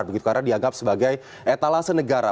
begitu karena dianggap sebagai etalase negara